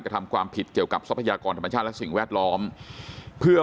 ทำความผิดเกี่ยวกับทรัพยากรธรรมชาติและสิ่งแวดล้อมเพื่อ